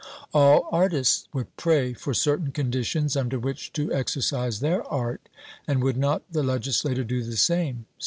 All artists would pray for certain conditions under which to exercise their art: and would not the legislator do the same?